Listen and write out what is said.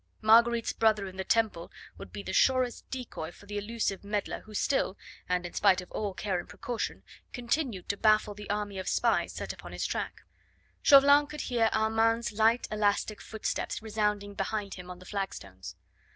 Marguerite's brother in the Temple would be the surest decoy for the elusive meddler who still, and in spite of all care and precaution, continued to baffle the army of spies set upon his track. Chauvelin could hear Armand's light, elastic footsteps resounding behind him on the flagstones.